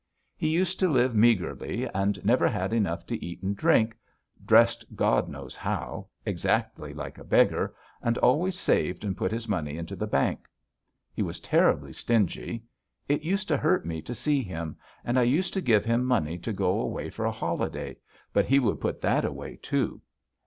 He used to live meagrely and never had enough to eat and drink, dressed God knows how, exactly like a beggar, and always saved and put his money into the bank. He was terribly stingy. It used to hurt me to see him, and I used to give him money to go away for a holiday, but he would put that away, too.